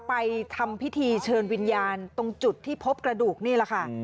ทำพิธีเชิญวิญญาณตรงจุดที่พบกระดูกนี่แหละค่ะ